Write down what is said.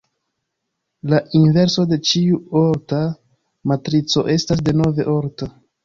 La inverso de ĉiu orta matrico estas denove orta.